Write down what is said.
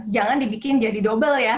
jangan dibikin jadi double ya